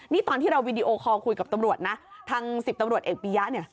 นี่ตอนที่เราวีดีโอคอลคุยกับตำรวจนะทาง๑๐ตำรวจเอกปียะเนี่ย